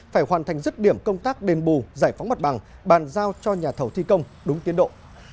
phải hoàn thành dứt điểm công tác đền bù giải phóng mặt bằng bàn giao cho nhà thầu thi công đúng tiến độ